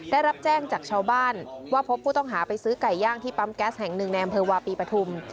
ได้รับแจ้งจากชาวบ้านว่าพบผู้ต้องหาไปซื้อไก่ย่างที่ปั๊มแก๊สแห่งหนึ่งในอำเภอวาปีปฐุม